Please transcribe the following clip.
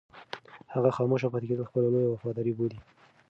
هغه خاموشه پاتې کېدل خپله لویه وفاداري بولي.